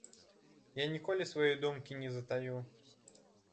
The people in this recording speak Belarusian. Я ніколі сваёй думкі не затаю.